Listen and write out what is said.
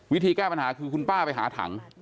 วิธีแก้ปัญหาคือคุณป้าไปหาถัง